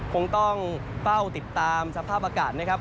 คงต้องเฝ้าติดตามสภาพอากาศนะครับ